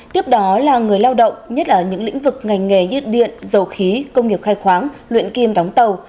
tiếp đó là người lao động nhất là những lĩnh vực ngành nghề như điện dầu khí công nghiệp khai khoáng luyện kim đóng tàu